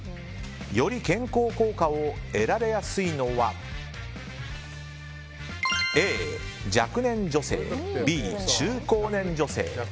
より健康効果を得られやすいのはＡ、若年女性Ｂ、中高年女性。